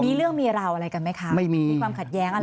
มีเกิดทราบอะไรขึ้นไหมมีความขัดแย้งอะไร